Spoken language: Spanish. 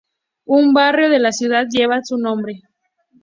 Un barrio de la ciudad lleva su nombre.